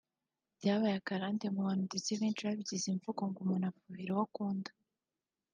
Byabaye akarande mu Bantu ndetse benshi babigize imvugo ngo umuntu afuhira uwo akunda